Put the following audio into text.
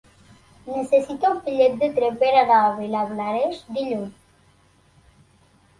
Necessito un bitllet de tren per anar a Vilablareix dilluns.